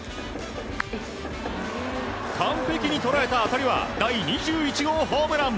完璧に捉えた当たりは第２１号ホームラン。